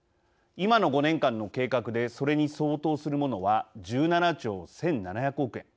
今の５年間の計画でそれに相当するものは１７兆１，７００億円。